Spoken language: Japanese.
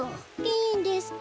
いいんですか？